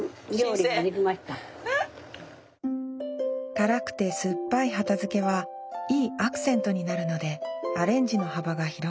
辛くて酸っぱい畑漬はいいアクセントになるのでアレンジの幅が広がります